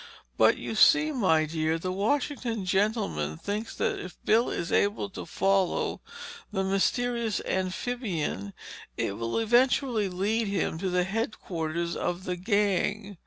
"But you see, my dear, the Washington gentleman thinks that if Bill is able to follow the mysterious amphibian, it will eventually lead him to the headquarters of the gang."